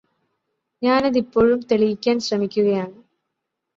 ഞാനതിപ്പോഴും തെളിയിക്കാന് ശ്രമിക്കുകയാണ്